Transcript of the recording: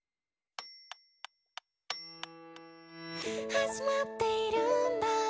「始まっているんだ